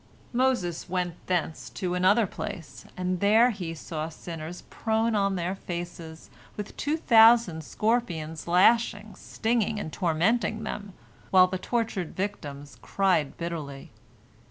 Moses went thence to another place, and there he saw sinners prone on their faces, with two thousand scorpions lashing, stinging, and tormenting them, while the tortured victims cried bitterly.